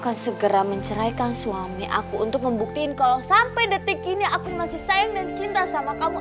aku segera menceraikan suami aku untuk membuktiin kalau sampai detik ini aku masih sayang dan cinta sama kamu